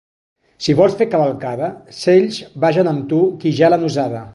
Si vols fer cavalcada, cells vagen amb tu qui ja l'han usada.